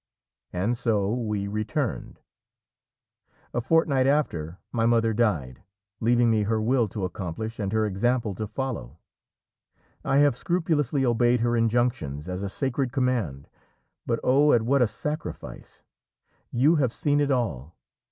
And so we returned. A fortnight after my mother died, leaving me her will to accomplish and her example to follow. I have scrupulously obeyed her injunctions as a sacred command, but oh, at what a sacrifice! You have seen it all.